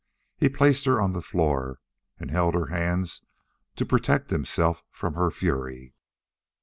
He placed her on the floor and held her hands to protect himself from her fury.